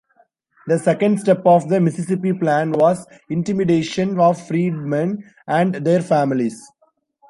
The second step of the Mississippi Plan was intimidation of freedmen and their families.